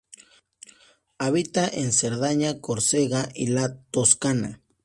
Habita en Cerdeña, Córcega y la Toscana.